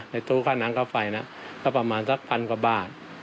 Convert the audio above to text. ตู้ค่าน้ำค่าไฟนะก็ประมาณสักพันกว่าบาท